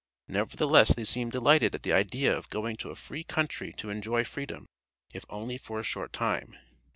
Nevertheless they seemed delighted at the idea of going to a free country to enjoy freedom, if only for a short time.